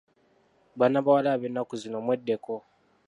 Baana bawala ab'ennaku zino mweddeko!